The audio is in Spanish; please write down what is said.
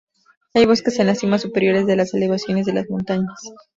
Hay bosques en las cimas superiores de las elevaciones de las montañas.